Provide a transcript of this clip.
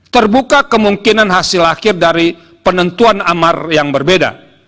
terbuka kemungkinan hasil akhir dari penentuan amar yang berbeda